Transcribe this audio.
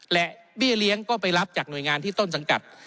และเบี้ยเลี้ยงก็ไปรับจากหน่วยงานที่ต้นสังกัด